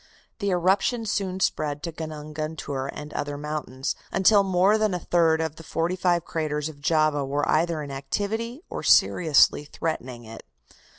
The eruption soon spread to Gunung Guntur and other mountains, until more than a third of the forty five craters of Java were either in activity or seriously threatening it.